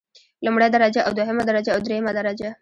لومړۍ درجه او دوهمه درجه او دریمه درجه.